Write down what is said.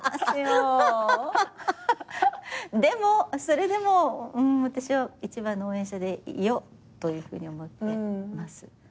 でもそれでも私は一番の応援者でいようというふうに思ってます。